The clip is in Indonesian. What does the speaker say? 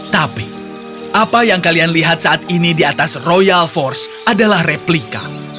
tapi apa yang kalian lihat saat ini di atas royal force adalah replika